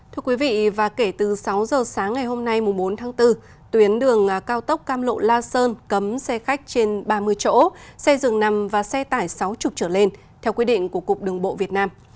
thưa quý vị và kể từ sáu giờ sáng ngày hôm nay bốn tháng bốn tuyến đường cao tốc cam lộ la sơn cấm xe khách trên ba mươi chỗ xe dừng nằm và xe tải sáu mươi trở lên theo quy định của cục đường bộ việt nam